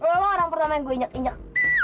lo orang pertama yang gue injek injek